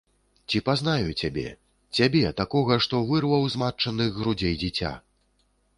Ці пазнаю цябе, цябе, такога, што вырваў з матчыных грудзей дзіця.